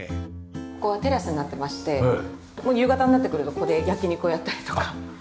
ここはテラスになってまして夕方になってくるとここで焼き肉をやったりとか。